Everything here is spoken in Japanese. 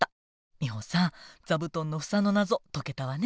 ミホさん座布団のふさの謎解けたわね。